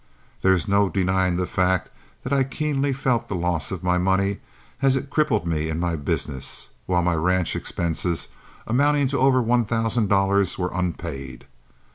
There is no denying the fact that I keenly felt the loss of my money, as it crippled me in my business, while my ranch expenses, amounting to over one thousand dollars, were unpaid.